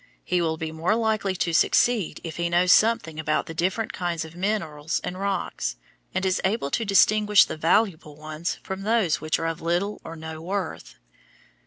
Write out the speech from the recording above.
He will be more likely to succeed if he knows something about the different kinds of minerals and rocks, and is able to distinguish the valuable ones from those which are of little or no worth.